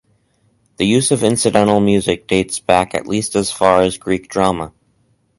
The use of incidental music dates back at least as far as Greek drama.